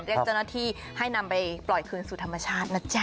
เรียกเจ้าหน้าที่ให้นำไปปล่อยคืนสู่ธรรมชาตินะจ๊ะ